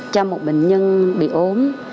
cho một bệnh nhân bị ốm